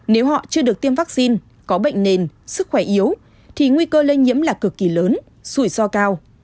nếu họ chưa được tiêm vaccine có bệnh nền sức khỏe yếu thì nguy cơ lây nhiễm là cực kỳ lớn rủi ro cao